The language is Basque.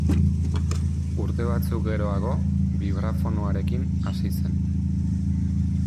Urte batzuk geroago, bibrafonoarekin hasi zen.